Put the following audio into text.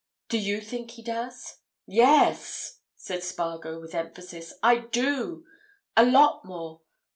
"Do you think he does?" "Yes!" replied Spargo, with emphasis. "I do. A lot more!